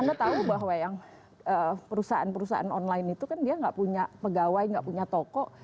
anda tahu bahwa yang perusahaan perusahaan online itu kan dia nggak punya pegawai nggak punya toko